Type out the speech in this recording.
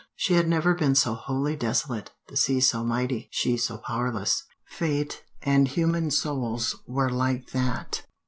She had never been so wholly desolate the sea so mighty, she so powerless. Fate and human souls were like that.